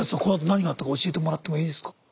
このあと何があったか教えてもらってもいいですか。